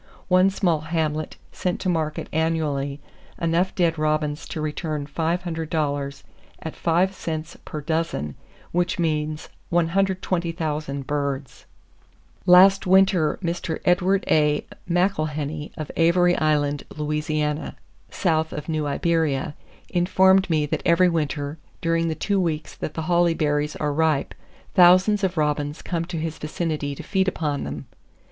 One small hamlet sent to market annually enough dead robins to return $500 at five cents per dozen; which means 120,000 birds! Last winter Mr. Edward A. McIlhenny of Avery Island, La. (south of New Iberia) informed me that every winter, during the two weeks that the holly berries are ripe thousands of robins come to his vicinity to feed upon them.